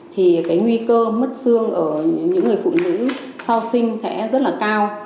thì cái nguy cơ mất xương ở những người phụ nữ sau sinh sẽ rất là cao